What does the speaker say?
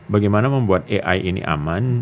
bagaimana membuat ai ini aman